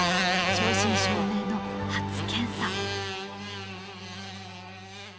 正真正銘の初検査。